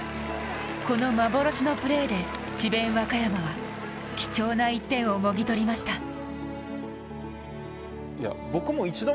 この幻のプレーで智弁和歌山は貴重な１点をもぎ取りました。